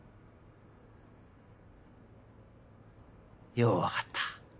よう分かった